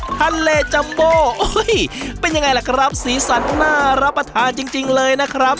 ทะเลจัมโบเป็นยังไงล่ะครับสีสันน่ารับประทานจริงเลยนะครับ